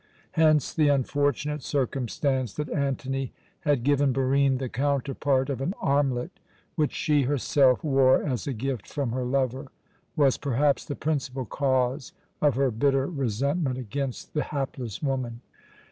Hence the unfortunate circumstance that Antony had given Barine the counterpart of an armlet which she herself wore as a gift from her lover, was perhaps the principal cause of her bitter resentment against the hapless woman.